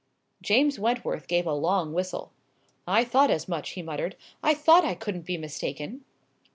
James Wentworth gave a long whistle. "I thought as much," he muttered; "I thought I couldn't be mistaken!"